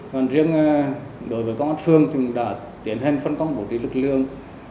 còn riêng đối với công an phường thì đã tiến hình phân công bổ trí lực lượng